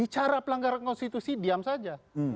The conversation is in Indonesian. bicara pelanggaran konstitusi diam saja